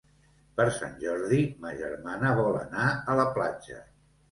Per Sant Jordi ma germana vol anar a la platja.